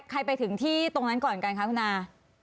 ไปถึงที่ตรงนั้นก่อนกันคะคุณอา